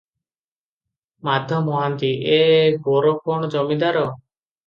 ମାଧ ମହାନ୍ତି- ଏଁ- ଏଁ ବର କଣ ଜମିଦାର?